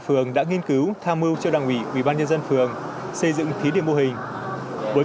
phường đã nghiên cứu tham mưu cho đảng ủy ủy ban nhân dân phường xây dựng thí điểm mô hình với